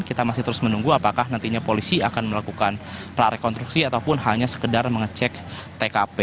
kita masih terus menunggu apakah nantinya polisi akan melakukan prarekonstruksi ataupun hanya sekedar mengecek tkp